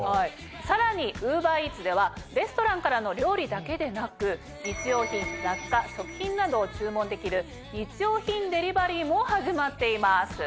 さらにＵｂｅｒＥａｔｓではレストランからの料理だけでなく日用品雑貨食品などを注文できる日用品デリバリーも始まっています。